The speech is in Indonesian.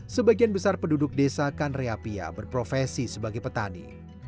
sebagian besar penduduk desa kanreapia berprofesi sebagai petani